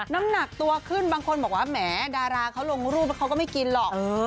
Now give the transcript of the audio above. น้ำหนักตัวขึ้นบางคนบอกว่าแหมดาราเขาลงรูปแล้วเขาก็ไม่กินหรอก